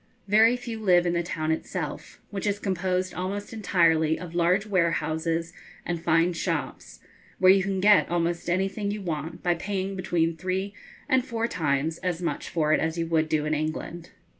Very few live in the town itself, which is composed almost entirely of large warehouses and fine shops, where you can get almost anything you want by paying between three and four times as much for it as you would do in England.